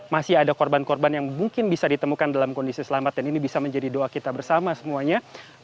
masih ada korban korban yang mungkin bisa ditemukan dalam kondisi selamat dan ini bisa menjadi doa kita bersama semuanya